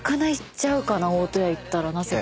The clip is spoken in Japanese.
大戸屋行ったらなぜか。